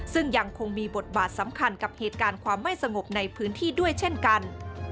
ซึ่งยังคงมีบทบาทสำคัญกับเหตุการณ์ความไม่สงบในพื้นที่ด้วยเช่นกัน